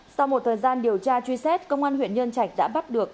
sau một thời gian điều tra truy xét công an huyện nhân trạch đã bắt được